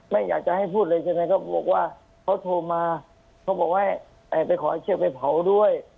ไม่อยากจะให้พูดเลยใช่ไหมเขาบอกว่าเขาโทรมาเขาบอกว่าไปขอให้เชือกไปเผาด้วย